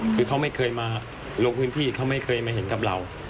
คือเขาไม่เคยมาลงพื้นที่เขาไม่เคยมาเห็นกับเรา